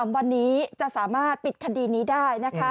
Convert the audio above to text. ๓วันนี้จะสามารถปิดคดีนี้ได้นะคะ